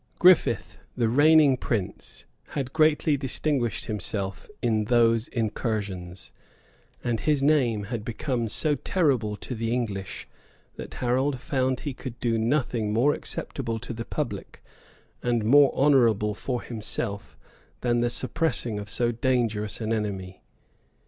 Griffith, the reigning prince, had greatly distinguished himself in those incursions; and his name had become so terrible to the English, that Harold found he could do nothing more acceptable to the public, and more honorable for himself, than the suppressing of so dangerous an enemy.